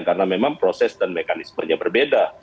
karena memang proses dan mekanismenya berbeda